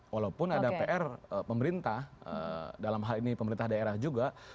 walaupun ada pr pemerintah dalam hal ini pemerintah daerah juga